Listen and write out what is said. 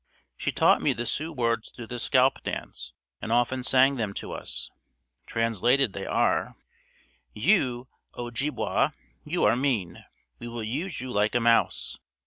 She taught me the Sioux words to this scalp dance and often sang them to us. Translated they are: You Ojibway, you are mean, We will use you like a mouse.